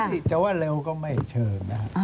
แต่ว่าเร็วก็ไม่เชิงนะครับ